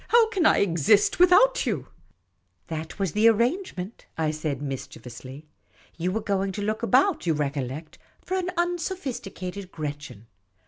How can I exist without you ?"" That was the arrangement," I said, mischievously. " You were going to look about, you recollect, for an un sophisticated Gretchen.